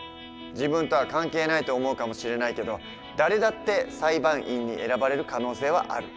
自分とは関係ないと思うかもしれないけど誰だって裁判員に選ばれる可能性はある。